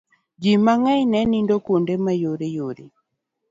ji mang'eny ne nindo kuonde moyawore